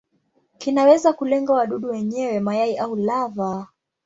Kinaweza kulenga wadudu wenyewe, mayai au lava.